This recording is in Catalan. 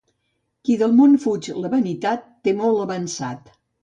Qui del món fuig la vanitat, té molt avançat.